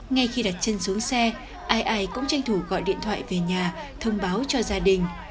ngay khi đặt chân xuống xe ai cũng tranh thủ gọi điện thoại về nhà thông báo cho gia đình